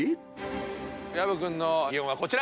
薮君の擬音はこちら。